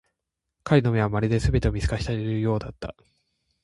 彼の目は、まるで全てを見透かしているかのようだった。